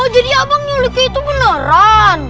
jadi abang nyuluki itu beneran